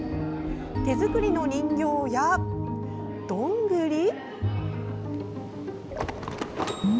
手作りの人形や、どんぐり？